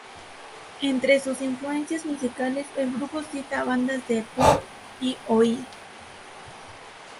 Entre sus influencias musicales, el grupo cita a bandas de punk y oi!.